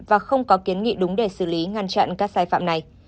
và không có kiến nghị đúng để xử lý ngăn chặn các sai phạm này